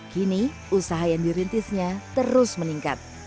kini usaha yang dirintisnya terus meningkat